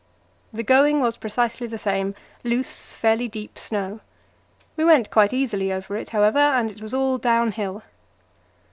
The going was precisely the same loose, fairly deep snow. We went quite easily over it, however, and it was all downhill.